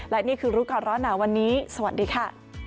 และนี่คือรู้ก่อนร้อนหนาวันนี้สวัสดีค่ะ